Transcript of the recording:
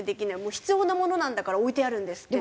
必要なものなんだから置いてあるんですって。